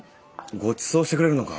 ごちそうしてくれるのか？